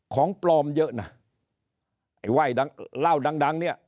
ของปลอมเยอะนะไอ้ไหว้ดังเหล้าดังดังเนี่ย